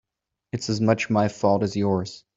It's as much my fault as yours.